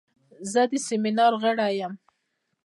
زه د سیمینار غړی وم.